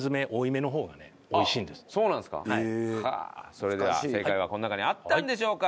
それでは正解はこの中にあったのでしょうか？